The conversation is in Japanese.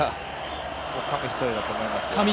紙一重だと思いますよ。